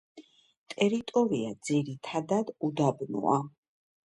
ტერიტორია ძირითადად უდაბნოა.